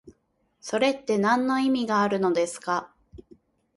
それってなんの意味があるのですか？